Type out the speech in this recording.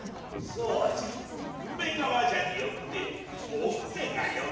そうじゃ梅川じゃによってお梅が良かろう。